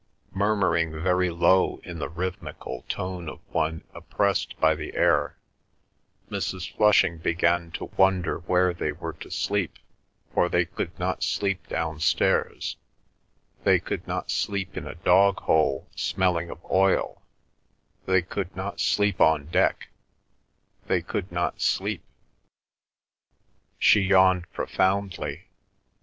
Murmuring very low in the rhythmical tone of one oppressed by the air, Mrs. Flushing began to wonder where they were to sleep, for they could not sleep downstairs, they could not sleep in a doghole smelling of oil, they could not sleep on deck, they could not sleep—She yawned profoundly.